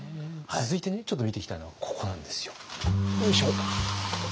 続いてちょっと見ていきたいのはここなんですよ。よいしょ。